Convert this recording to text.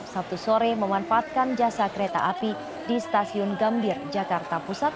sabtu sore memanfaatkan jasa kereta api di stasiun gambir jakarta pusat